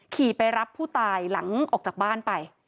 ขี่ไปรับผู้ตายหลังออกจากบ้านไป